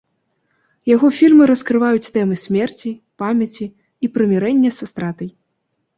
Яго фільмы раскрываюць тэмы смерці, памяці і прымірэння са стратай.